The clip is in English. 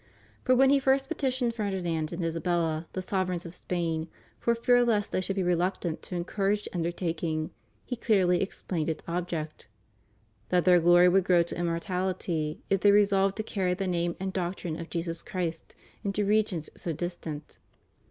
For when he first petitioned Ferdi nand and Isabella, the sovereigns of Spain, for fear lest they should be reluctant to encourage the undertaking, he clearly explained its object: "That their gloiy would grow to immortality, if they resolved to carry the name and doctrine of Jesus Christ into regions so distant."